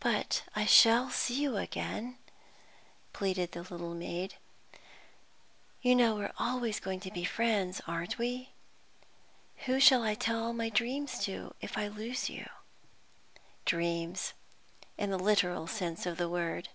"But I shall see you again?" pleaded the little maid. "You know we're always going to be friends, aren't we? Who shall I tell all my dreams to, if I lose you?" Dreams, in the literal sense of the word.